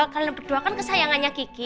kalau berdua kan kesayangannya kiki